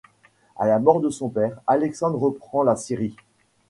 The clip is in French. À la mort de son père, Alexandre reprend la scierie.